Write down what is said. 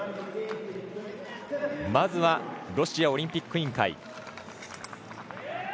まずはロシアオリンピック委員会。